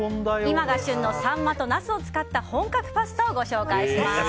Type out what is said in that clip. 今が旬のサンマとナスを使った本格パスタをご紹介します。